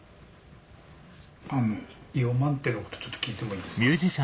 あのイオマンテのことちょっと聞いてもいいですか？